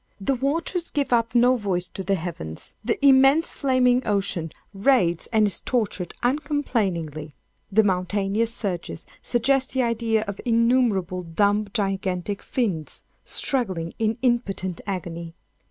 The waters give up no voice to the heavens. The immense flaming ocean writhes and is tortured uncomplainingly. The mountainous surges suggest the idea of innumerable dumb gigantic fiends struggling in impotent agony.